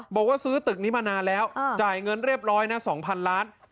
บอกว่าซื้อตึกนี้มานานแล้วจ่ายเงินเรียบร้อยนะ๒๐๐๐ล้าน